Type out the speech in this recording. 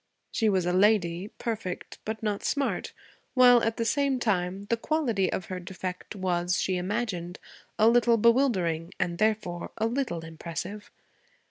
She was a lady, perfect but not smart, while, at the same time, the quality of her defect was, she imagined, a little bewildering and therefore a little impressive.